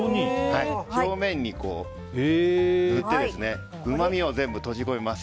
表面に塗ってうまみを全部閉じ込めます。